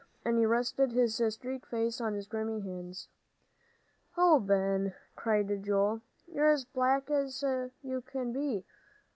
And he rested his streaked face on his grimy hands. "Oh, Ben," cried Joel, "you're as black as you can be!